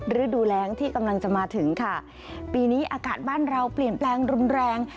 ฤดูแรงที่กำลังจะมาถึงค่ะปีนี้อากาศบ้านเราเปลี่ยนแปลงรุนแรง